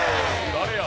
誰や？